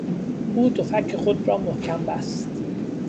او دو فک خود را محکم بست.